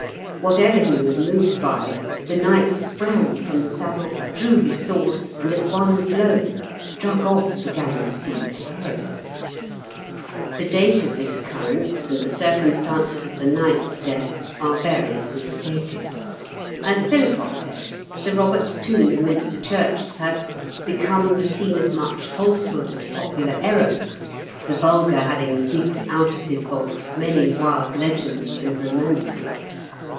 Whatever he was moved by, the knight sprang from the saddle, drew his sword, and at one blow struck off the gallant steed's head. The date of this occurrence, and the cir cumstances of the knight's death, are variously stated. As Philipott says. Sir Eobert's tomb in Minster church has "become the scene of much falsehood and popular error, the vulgar having digged out of his vault many wild legends and romances."